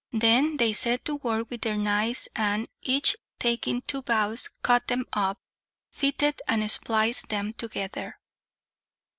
They then set to work with their knives and, each taking two bows, cut them up, fitted, and spliced them together.